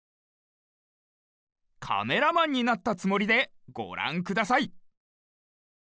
カメラマンになったつもりでごらんください！